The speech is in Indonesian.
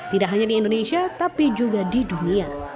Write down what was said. tidak hanya di indonesia tapi juga di dunia